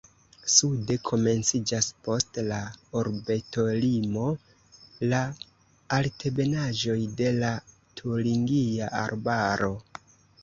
Sude komenciĝas post la urbetolimo la altebenaĵoj de la Turingia Arbaro.